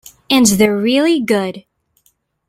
And they're really good.